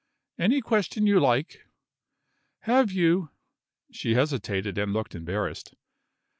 "Any question you like." "Have you " she hesitated and looked embarrassed.